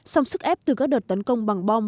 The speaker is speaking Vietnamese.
song sức ép từ các đợt tấn công bằng bom